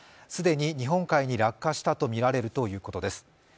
既に日本海に落下したとみられるということです。